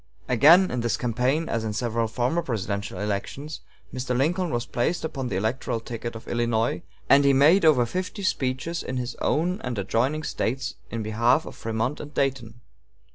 Again, in this campaign, as in several former presidential elections, Mr. Lincoln was placed upon the electoral ticket of Illinois, and he made over fifty speeches in his own and adjoining States in behalf of Frémont and Dayton.